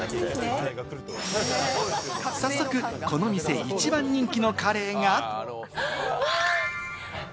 早速この店一番人気のカレーが。